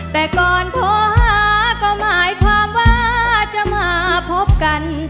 แต่ก่อนโทรหาก็หมายความว่าจะมาพบกัน